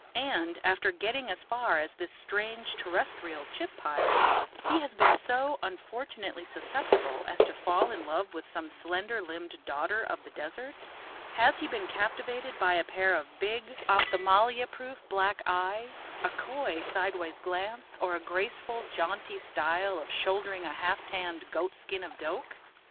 And after getting as far as this strange terrestrial chip pile, he has been so unfortunately susceptible as to fall in love with some slender limbed daughter of the desert? has he been captivated by a pair of big, opthamalmia proof, black eyes, a coy sidewise glance, or a graceful, jaunty style of shouldering a half tanned goat skin of doke?